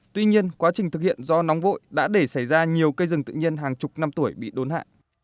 tuy nhiên quá trình thực hiện do nóng vội đã để xảy ra nhiều cây rừng tự nhiên hàng chục năm tuổi bị đốn hạ